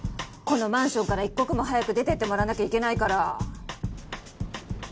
このマンションから一刻も早く出ていってもらわなきゃいけないから。